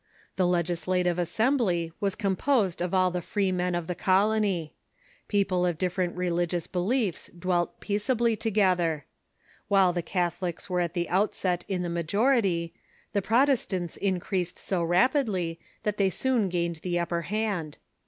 The legislative assembly was composed of all the freemen of the colony. People of different religious beliefs dwelt peaceably together. While the Catholics w^ere 448 THE CHURCH IN THE UNITED STATES at the outset in tlie majority, the Protestants increased so rap idly that they soon gained the upperhand.